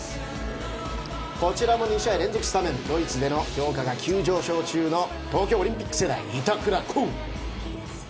こちらも２試合連続スタメンドイツでの評価が急上昇中の東京オリンピック世代、板倉滉。